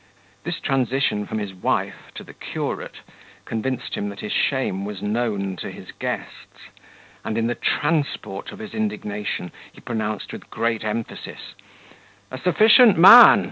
This transition from his wife to the curate convinced him that his shame was known to his guests; and, in the transport of his indignation, he pronounced with great emphasis, "A sufficient man!